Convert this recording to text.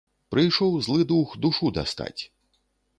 Прыйшоў злы дух душу дастаць.